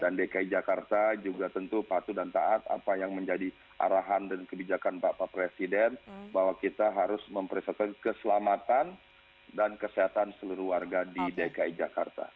dan dki jakarta juga tentu patuh dan taat apa yang menjadi arahan dan kebijakan pak pak presiden bahwa kita harus memprioritaskan keselamatan dan kesehatan seluruh warga di dki jakarta